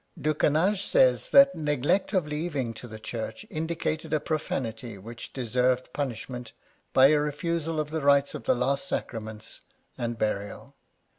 Ducange says that neglect of leaving to the Church indicated a profanity which deserved punish ment by a refusal of the rites of the last sacraments and burial.